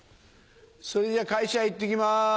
それじゃ会社へ行ってきます。